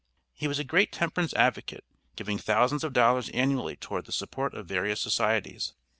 He was a great temperance advocate, giving thousands of dollars annually toward the support of various societies.